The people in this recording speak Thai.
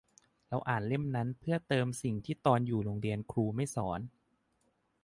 เราอ่านเล่มนั้นเพื่อเติมสิ่งที่ตอนอยู่โรงเรียนครูไม่สอน